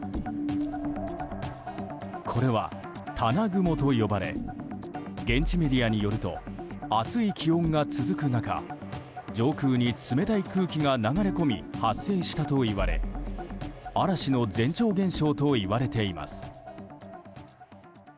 これは棚雲と呼ばれ現地メディアによると暑い気温が続く中上空に冷たい空気が流れ込み発生したといわれ嵐の前兆現象といわれています。